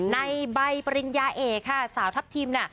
ในใบปริญญาเอกค่ะสาวทัพทิมน่ะ